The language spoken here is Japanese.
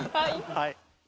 はい。